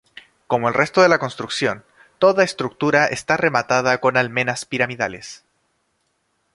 Como el resto de la construcción, toda la estructura está rematada con almenas piramidales.